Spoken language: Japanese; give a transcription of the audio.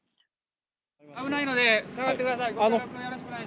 危ないので下がってください。